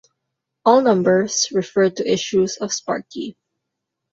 All numbers refer to issues of Sparky.